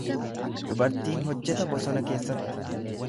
Dubartiin hojjeta bosona keessatti.